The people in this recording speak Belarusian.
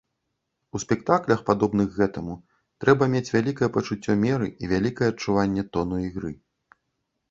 У спектаклях, падобных гэтаму, трэба мець вялікае пачуццё меры і вялікае адчуванне тону ігры.